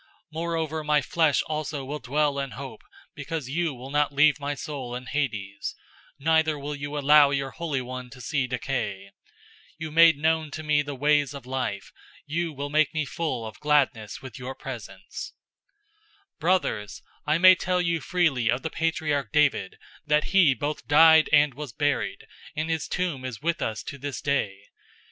Moreover my flesh also will dwell in hope; 002:027 because you will not leave my soul in Hades{or, Hell}, neither will you allow your Holy One to see decay. 002:028 You made known to me the ways of life. You will make me full of gladness with your presence.'{Psalm 16:8 11} 002:029 "Brothers, I may tell you freely of the patriarch David, that he both died and was buried, and his tomb is with us to this day.